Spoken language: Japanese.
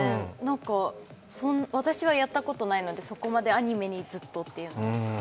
私はやったことないので、そこまでアニメにずっとというのは。